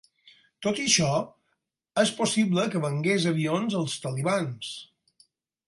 Tot i això, és possible que vengués avions als talibans.